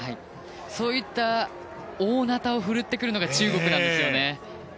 そういった大ナタを振ってくるのが中国なんですよね。